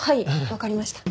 わかりました。